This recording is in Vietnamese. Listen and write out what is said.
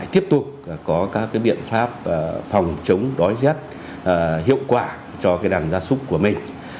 tiếp tục có các biện pháp phòng chống đói rét hiệu quả cho đàn gia súc của mình